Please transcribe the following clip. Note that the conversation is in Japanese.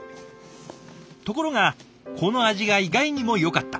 ところがこの味が意外にもよかった。